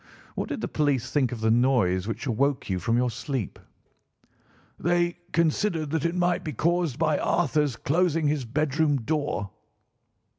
What did the police think of the noise which awoke you from your sleep?" "They considered that it might be caused by Arthur's closing his bedroom door."